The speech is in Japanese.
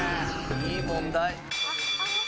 いい問題。